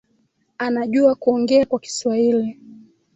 Anajua kuongea kwa kiswahili